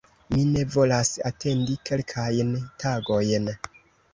Mi ne volas atendi kelkajn tagojn"